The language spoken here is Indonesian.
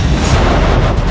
aku seperti menganal jurus ini